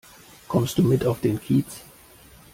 Kommst du mit auf den Kiez?